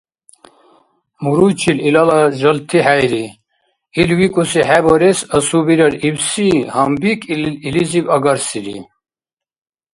Муруйчил илала жалти хӀейри, ил викӀуси хӀебарес асубирар ибси гьанбик илизиб агарсири.